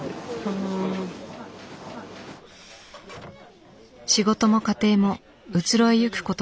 仕事も家庭も移ろいゆくことばかり。